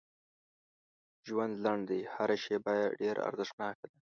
ژوند لنډ دی هر شیبه یې ډېره ارزښتناکه ده